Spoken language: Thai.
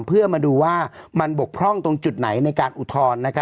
เพื่อมาดูว่ามันบกพร่องตรงจุดไหนในการอุทธรณ์